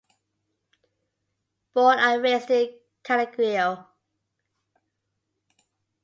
Born and raised in Cannaregio.